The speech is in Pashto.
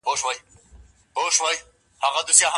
ولي ښه ده چي د خپل وسع مطابق وليمه وسي؟